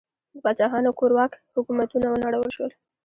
د پاچاهانو کورواک حکومتونه ونړول شول.